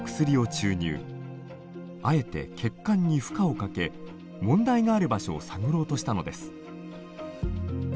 あえて血管に負荷をかけ問題がある場所を探ろうとしたのです。